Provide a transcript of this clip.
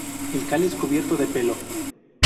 El cáliz cubierto de pelo.